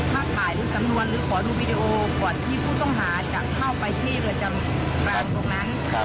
ถ้าถ่ายรูปสำนวนหรือขอดูวีดีโอก่อนที่ผู้ต้องหาจะเข้าไปที่เรือนจำกลางตรงนั้น